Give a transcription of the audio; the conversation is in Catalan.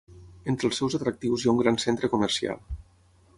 Entre els seus atractius hi ha un gran centre comercial.